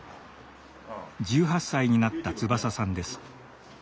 １８歳になった翼さんです。